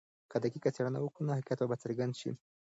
که دقیقه څېړنه وکړو نو حقیقت به څرګند سي.